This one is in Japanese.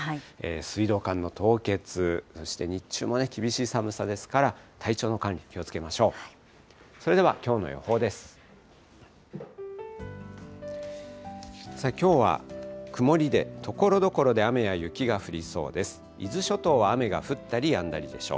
水道管の凍結、そして日中も厳しい寒さですから、体調の管理、気をつけましょう。